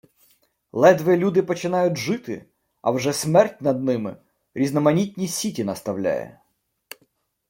Ледве люди починають жити, а вже смерть над ними різноманітні сіті наставляє.